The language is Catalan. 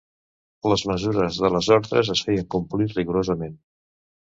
Les mesures de les ordres es feien complir rigorosament.